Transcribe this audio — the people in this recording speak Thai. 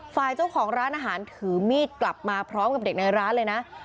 ฝ่ายเจ้าของร้านอาหารถือมีดกลับมาพร้อมกับเด็กในร้านเลยนะ